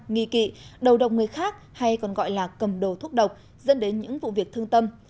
nghi kỵ đầu độc người khác hay còn gọi là cầm đồ thúc độc dẫn đến những vụ việc thương tâm